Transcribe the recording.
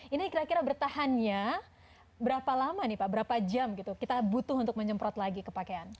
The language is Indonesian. ini kira kira bertahannya berapa lama nih pak berapa jam gitu kita butuh untuk menyemprot lagi ke pakaian